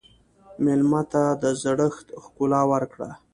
مېلمه ته د زړښت ښکلا ورکړه.